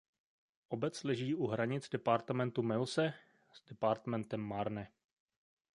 Obec leží u hranic departementu Meuse s departementem Marne.